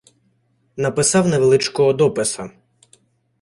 Написав невеличкого дописа